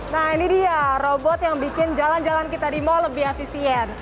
nah ini dia robot yang bikin jalan jalan kita di mall lebih efisien